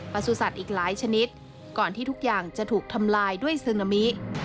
สุสัตว์อีกหลายชนิดก่อนที่ทุกอย่างจะถูกทำลายด้วยซึนามิ